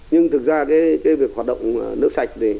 nhưng thực ra việc hoạt động nước sạch